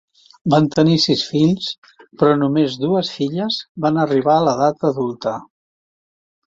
Van tenir sis fills, però només dues filles van arribar a l'edat adulta.